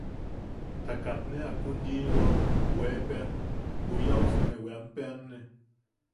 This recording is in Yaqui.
Ta katne jakun yiʼiwao, weepeʼean juyausune, weanpeʼeanne.